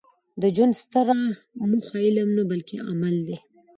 د ژوند ستره موخه علم نه؛ بلکي عمل دئ.